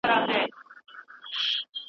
مرګ به هیڅکله زموږ پرېکړه بدله نه کړي.